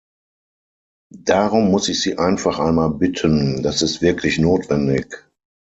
Darum muss ich Sie einfach einmal bitten, das ist wirklich notwendig.